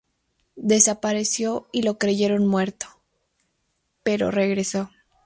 Desapareció y lo creyeron muerto, pero regresó.